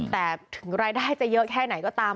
แต่ถึงรายได้จะเยอะแค่ไหนก็ตาม